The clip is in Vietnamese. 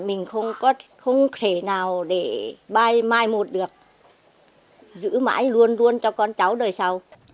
mình không có thể nào để mai một được giữ mãi luôn luôn cho con cháu đời sau